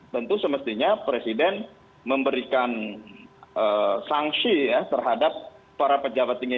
tentu semestinya presiden memberikan sanksi ya terhadap para pejabat tinggi